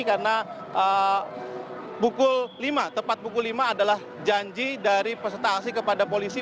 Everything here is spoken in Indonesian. karena tepat pukul lima adalah janji dari peserta aksi kepada polisi